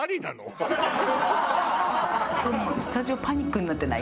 スタジオパニックになってない？